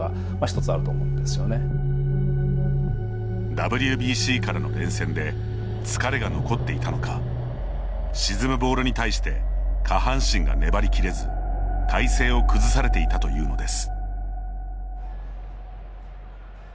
ＷＢＣからの連戦で疲れが残っていたのか沈むボールに対して下半身が粘りきれず体勢を崩されていたというのです。